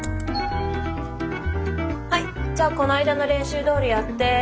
はいじゃあこの間の練習どおりやって。